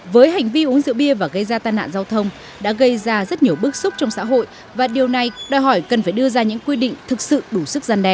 với hành vi uống rượu bia và gây ra tai nạn giao thông đã gây ra rất nhiều bức xúc trong xã hội và điều này đòi hỏi cần phải đưa ra những quy định thực sự đủ sức gian đe